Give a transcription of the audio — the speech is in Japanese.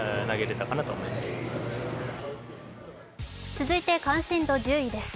続いて関心度１０位です。